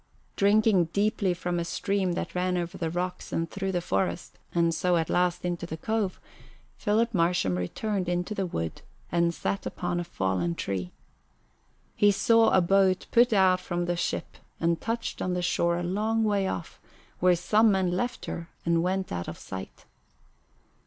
Drinking deeply from a stream that ran over the rocks and through the forest, and so at last into the cove, Philip Marsham returned into the wood and sat upon a fallen tree. He saw a boat put out from the ship and touch on the shore a long way off, where some men left her and went out of sight.